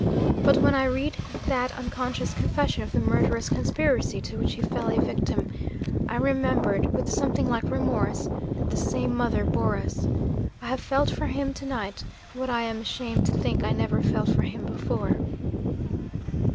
But when I read that unconscious confession of the murderous conspiracy to which he fell a victim, I remembered, with something like remorse, that the same mother bore us. I have felt for him to night, what I am ashamed to think I never felt for him before.'